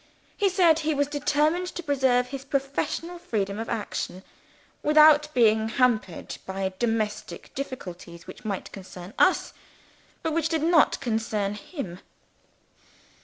He said he was determined to preserve his professional freedom of action, without being hampered by domestic difficulties which might concern us, but which did not concern _him.